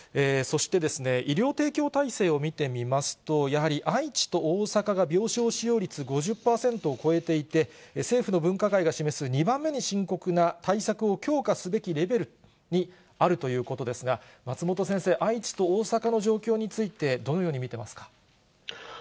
そして、医療提供体制を見てみますと、やはり愛知と大阪が病床使用率５０％を超えていて、政府の分科会が示す、２番目に深刻な、対策を強化すべきレベルにあるということですが、松本先生、愛知と大阪の状況についてどのように見てますか。